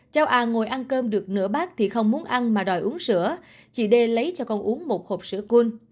cháu a ngồi ăn cơm được nửa bát thì không muốn ăn mà đòi uống sữa chị đê lấy cho con uống một hộp sữa cun